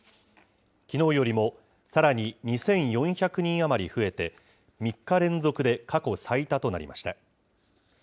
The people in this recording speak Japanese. きのうよりもさらに２４００人余り増えて、３日連続で過去最多となりました。